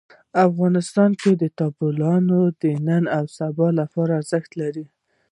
افغانستان کې تالابونه د نن او سبا لپاره ارزښت لري.